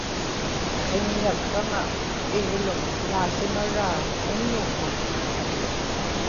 qiññaksraŋa iglum naasimaraa unnugman